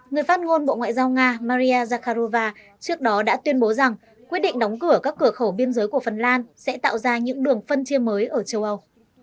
người phát ngôn bộ ngoại giao nga maria zakharova trước đó đã tuyên bố rằng quyết định đóng cửa các cửa khẩu biên giới của phần lan sẽ tạo ra những đường phân chia mới ở châu âu